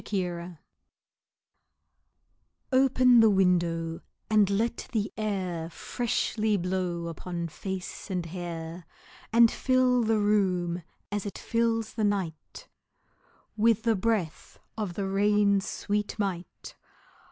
Nelson] OPEN the window, and let the air Freshly blow upon face and hair, And fill the room, as it fills the night, With the breath of the rain's sweet might.